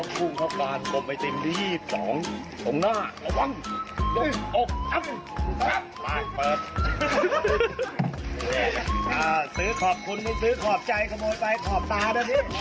พวกการท่านนี้อารมณ์ดีจริง